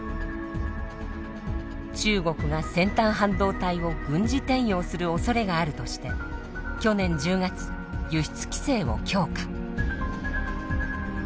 中国が先端半導体を軍事転用するおそれがあるとして去年１０月輸出規制を強化。